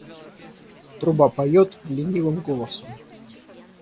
Труба поёт ленивым голосом.